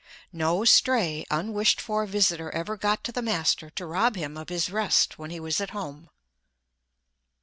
No stray, unwished for visitor ever got to the master to rob him of his rest when he was at home.